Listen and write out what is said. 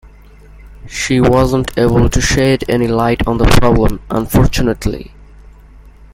She wasn’t able to shed any light on the problem, unfortunately.